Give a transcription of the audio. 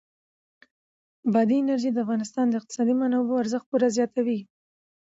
بادي انرژي د افغانستان د اقتصادي منابعو ارزښت پوره زیاتوي.